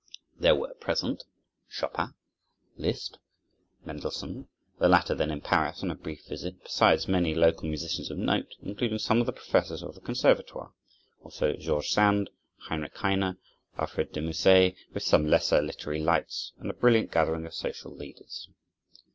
There were present Chopin, Liszt, Mendelssohn, the latter then in Paris on a brief visit, besides many local musicians of note, including some of the professors of the Conservatoire, also George Sand, Heinrich Heine, Alfred De Musset, with some lesser literary lights, and a brilliant gathering of social leaders.